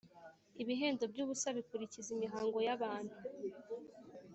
ibihendo by’ubusa bikurikiza imihango y’abantu